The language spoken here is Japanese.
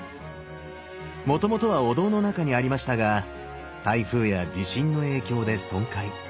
もともとはお堂の中にありましたが台風や地震の影響で損壊。